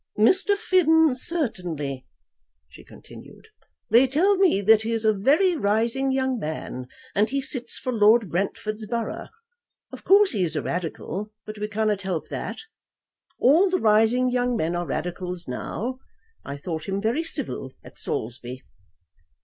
"Mr. Finn, certainly," she continued. "They tell me that he is a very rising young man, and he sits for Lord Brentford's borough. Of course he is a Radical, but we cannot help that. All the rising young men are Radicals now. I thought him very civil at Saulsby."